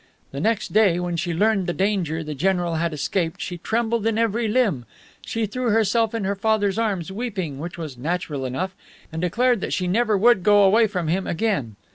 The next day, when she learned the danger the general had escaped, she trembled in every limb. She threw herself in her father's arms, weeping, which was natural enough, and declared that she never would go away from him again.